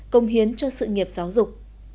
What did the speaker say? công hiến cho sự nghiệp giáo dục